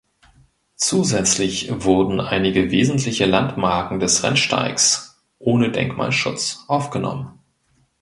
Zusätzlich wurden einige wesentliche Landmarken des Rennsteigs (ohne Denkmalschutz) aufgenommen.